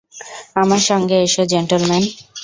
আমার সঙ্গে এসো, জেন্টলমেন।